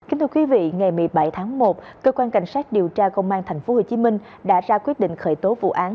kính thưa quý vị ngày một mươi bảy tháng một cơ quan cảnh sát điều tra công an tp hcm đã ra quyết định khởi tố vụ án